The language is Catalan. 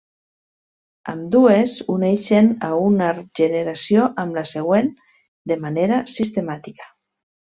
Ambdues uneixen a una generació amb la següent de manera sistemàtica.